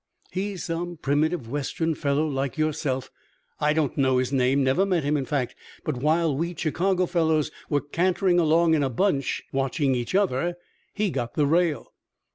"He's some primitive Western fellow like yourself! I don't know his name never met him, in fact. But while we Chicago fellows were cantering along in a bunch, watching each other, he got the rail."